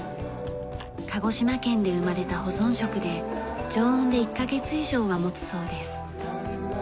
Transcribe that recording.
鹿児島県で生まれた保存食で常温で１カ月以上は持つそうです。